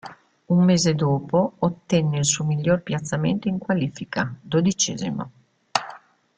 Un mese dopo, ottenne il suo miglior piazzamento in qualifica, dodicesimo.